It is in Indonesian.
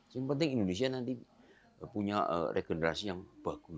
yang penting indonesia nanti punya regenerasi yang bagus